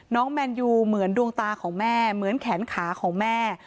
แมนยูเหมือนดวงตาของแม่เหมือนแขนขาของแม่